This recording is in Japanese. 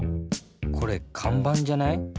これかんばんじゃない？